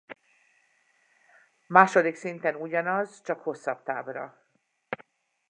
Második szinten ugyanaz csak hosszabb távra.